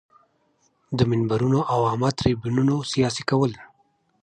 د منبرونو او عامه تریبیونونو سیاسي کول.